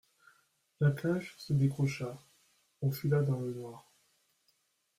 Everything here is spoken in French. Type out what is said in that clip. La cage se décrocha, on fila dans le noir.